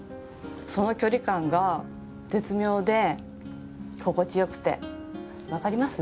その距離感が絶妙で心地よくてわかります？